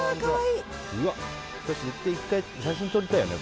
１回写真撮りたいよね